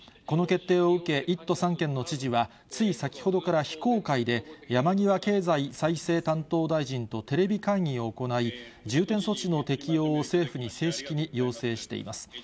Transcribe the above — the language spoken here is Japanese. この決定を受け、１都３県の知事は、つい先ほどから非公開で、山際経済再生担当大臣とテレビ会議を行い、重点措置の適用を政府に正式に要請しています。